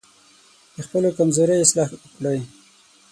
د خپلو کمزورۍ اصلاح وکړئ.